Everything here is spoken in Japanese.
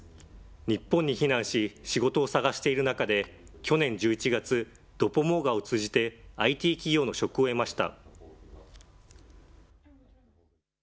日本に避難し、仕事を探している中で、去年１１月、ドポモーガを通じてＩＴ企業の職を得ました。